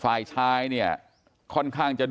กลุ่มตัวเชียงใหม่